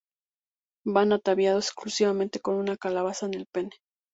Van ataviados exclusivamente con una calabaza en el pene.